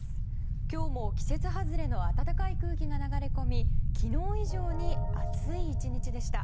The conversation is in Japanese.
今日も季節外れの暖かい空気が流れ込み昨日以上に暑い１日でした。